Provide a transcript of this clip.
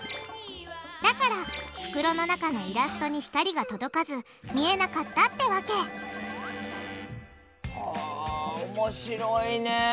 だから袋の中のイラストに光が届かず見えなかったってわけ面白いね。